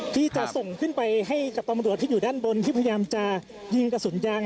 ที่จะส่งขึ้นไปให้กับตำรวจที่อยู่ด้านบนที่พยายามจะยิงกระสุนยาง